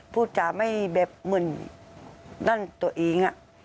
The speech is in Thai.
จ๋าไม่แบบเหมือนนั่นตัวเอง